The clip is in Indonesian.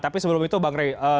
tapi sebelum itu bang rey